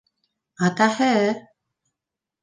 Атаһы...